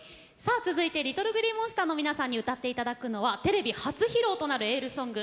続いてＬｉｔｔｌｅＧｌｅｅＭｏｎｓｔｅｒの皆さんに歌って頂くのはテレビ初披露となるエールソング